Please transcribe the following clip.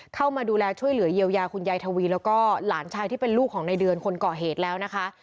เข้ามาดูแลช่วยเหลือเยียวยาคุณยายทวีแล้วก็หลานชายที่เป็นลูกของในเดือนคนก่อเหตุแล้วนะคะ